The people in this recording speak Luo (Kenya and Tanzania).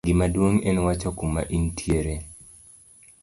gimaduong' en wacho kuma intiere